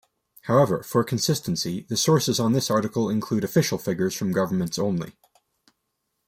However, for consistency, the sources on this article include official figures from governments only.